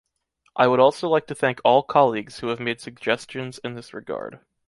I would also like to thank all colleagues who have made suggestions in this regard.